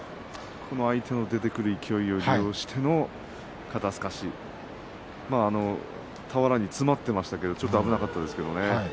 この相手の出てくる勢いを利用しての肩すかし俵に詰まっていましたけどちょっと危なかったですけどね